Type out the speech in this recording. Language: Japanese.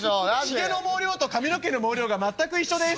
「ヒゲの毛量と髪の毛の毛量が全く一緒です」。